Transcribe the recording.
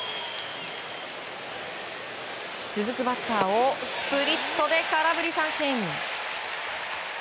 続くバッターをスプリットで空振り三振。